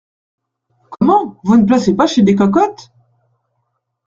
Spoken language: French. Comment ! vous ne placez pas chez des cocottes !